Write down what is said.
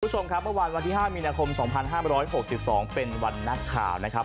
คุณผู้ชมครับเมื่อวานวันที่๕มีนาคม๒๕๖๒เป็นวันนักข่าวนะครับ